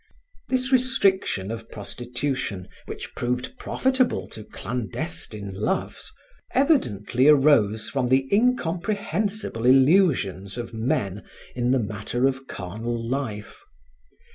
This restriction of prostitution which proved profitable to clandestine loves, evidently arose from the incomprehensible illusions of men in the matter of carnal life.